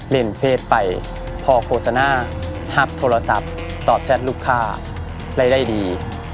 เล่นเพศไปพอโฆษณาฮับโทรศัพท์ตอบแชทลูกค้าได้ดี